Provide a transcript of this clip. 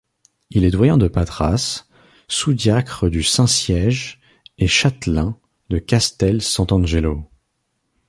Il est doyen de Patras, sous-diacre du Saint-Siège et châtelain de Castel Sant'Angelo.